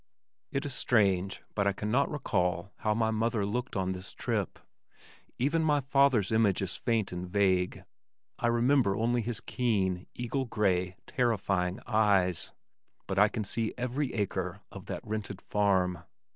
It is strange but I cannot recall how my mother looked on this trip. Even my father's image is faint and vague (I remember only his keen eagle gray terrifying eyes), but I can see every acre of that rented farm.